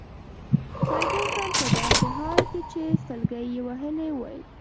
فرګوسن په داسي حال کي چي سلګۍ يې وهلې وویل.